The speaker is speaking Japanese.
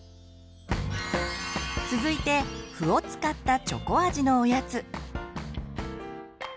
続いて麩を使ったチョコ味のおやつ。